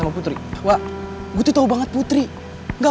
bukti bukti kejahatan raja